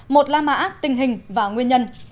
một la mã tình hình và nguyên nhân